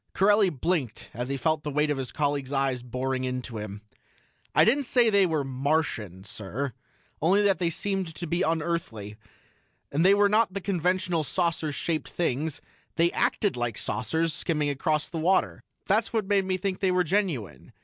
Corelli blinked as he felt the weight of his colleagues' eyes boring into him. "I didn't say they were Martian, sir only that they seemed to be unearthly. And they were not the conventional saucer shaped things they acted like saucers skimming across the water. That's what made me think they were genuine.